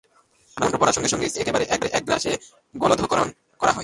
মন্ত্র পড়ার সঙ্গে সঙ্গেই স্ত্রীটিকে একেবারে এক গ্রাসে গলাধঃকরণ করা হয়।